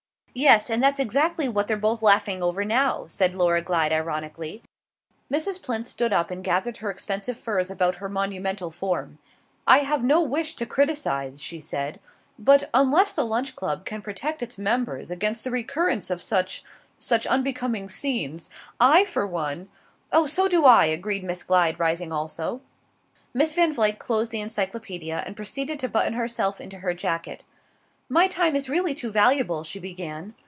"Yes and that's exactly what they're both laughing over now," said Laura Glyde ironically. Mrs. Plinth stood up and gathered her expensive furs about her monumental form. "I have no wish to criticise," she said; "but unless the Lunch Club can protect its members against the recurrence of such such unbecoming scenes, I for one " "Oh, so do I!" agreed Miss Glyde, rising also. Miss Van Vluyck closed the Encyclopaedia and proceeded to button herself into her jacket "My time is really too valuable " she began.